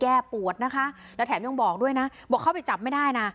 ปวดนะคะแล้วแถมยังบอกด้วยนะบอกเข้าไปจับไม่ได้นะ